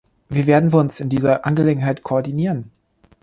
Wie werden wir uns in dieser Angelegenheit koordinieren?